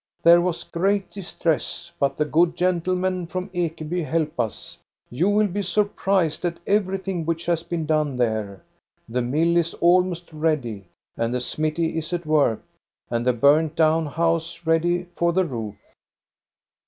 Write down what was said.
" There was great distress, but the good gentlemen from Ekeby help us. You will be surprised at everything which has been done there. The mill is almost ready, and the smithy is at work, and the burned down house ready for the roof."